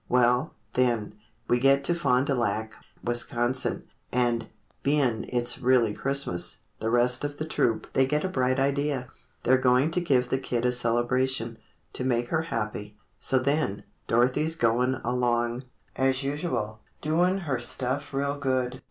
Well, then, we get to Fond du Lac, Wisconsin, And, bein' it's really Christmas, the rest of the troupe They get a bright idea. They're goin' to give The kid a celebration, to make her happy. So then, Dorothy's goin' along, as usual, Doin' her stuff real good.